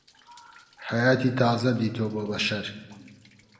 حەیاتی تازە دێتۆ بۆ بەشەر